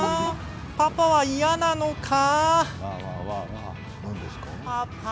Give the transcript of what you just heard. パパは嫌なのか？